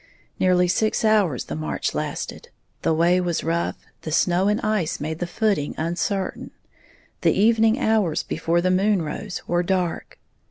Nearly six hours the march lasted, the way was rough, the snow and ice made the footing uncertain, the evening hours before the moon rose were dark.